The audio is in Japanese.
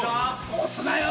押すなよ！